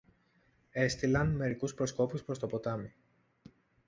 Έστειλαν μερικούς προσκόπους προς το ποτάμι